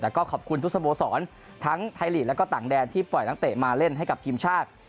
แล้วก็ขอบคุณทุกสโมสรทั้งไทยลีกและก็ต่างแดนที่ปล่อยนักเตะมาเล่นให้กับทีมชาติ